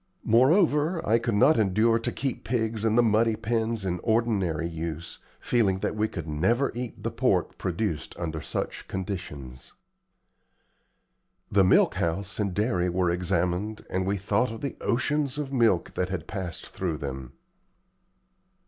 Moreover, I could not endure to keep pigs in the muddy pens in ordinary use, feeling that we could never eat the pork produced under such conditions. The milk house and dairy were examined, and we thought of the oceans of milk that had passed through them.